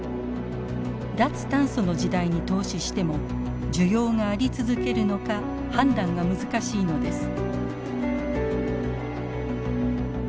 脱炭素の時代に投資しても需要があり続けるのか判断が難しいのです。